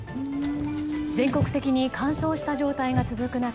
全国的に乾燥した状態が続く中